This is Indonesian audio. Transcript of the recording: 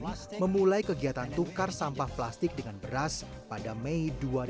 dan juga nulisannya untuk tukar sampah plastik dengan beras pada mei dua ribu dua puluh